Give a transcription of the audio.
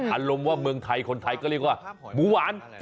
อารมณ์ว่าเมืองไทยคนไทยก็เรียกว่าหมูหวาน